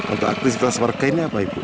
untuk aktivitas warga ini apa ibu